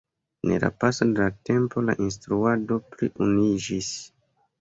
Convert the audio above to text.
En la paso de la tempo la instruado pli unuiĝis.